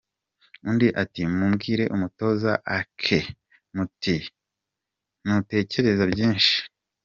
Undi ati “Mubwire umutoza Ake, muti ‘Ntutekereze byinshi.